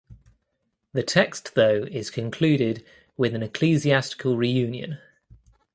The text though is concluded with an ecclesiastical reunion.